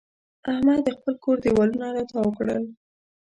احمد د خپل کور دېوالونه را تاوو کړل.